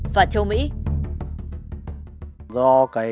và châu mỹ